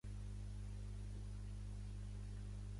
Va interpretar la veu de Reginald Stout a Stuart Little.